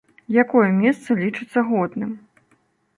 Якое месца лічыцца годным?